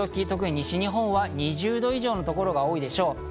特に西日本は２０度以上のところが多いでしょう。